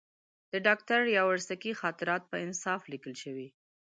د ډاکټر یاورسکي خاطرات په انصاف لیکل شوي.